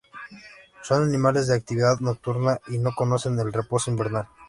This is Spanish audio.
Son animales de actividad nocturna y no conocen el reposo invernal.